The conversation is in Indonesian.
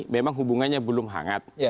memang hubungannya belum hangat